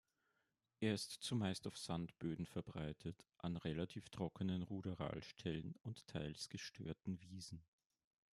Er ist zumeist auf Sandböden verbreitet, an relativ trockenen Ruderalstellen und teils gestörten Wiesen.